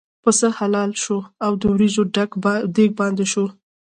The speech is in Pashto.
پسه حلال شو او د وریجو دېګ باندې شو.